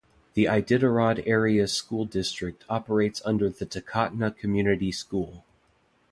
The Iditarod Area School District operates the Takotna Community School.